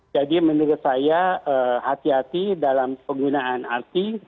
jadi menurut saya hati hati dalam penggunaan arti